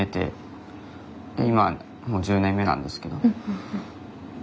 で今もう１０年目なんですけど。